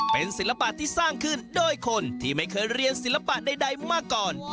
เป็นศิลปะที่สร้างขึ้นโดยคนที่ไม่เคยเรียนศิลปะใดมาก่อน